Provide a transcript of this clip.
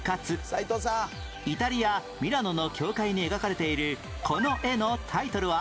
イタリアミラノの教会に描かれているこの絵のタイトルは？